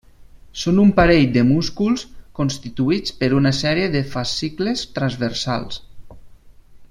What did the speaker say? Són un parell de músculs constituïts per una sèrie de fascicles transversals.